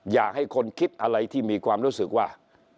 อยากให้คนคิดอะไรที่มีความรู้สึกว่า